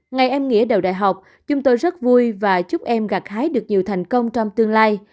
ngày em nghĩa đầu đại học chúng tôi rất vui và chúc em gạt hái được nhiều thành công trong tương lai